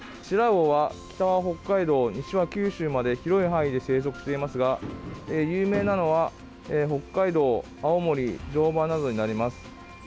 シラウオは北は北海道、西は九州まで広い範囲で生息していますが有名なのは北海道、青森常磐などになります。